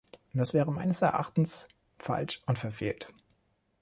Das wäre meines Erachtens falsch und verfehlt.